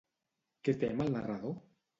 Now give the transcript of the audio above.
Què tem el narrador?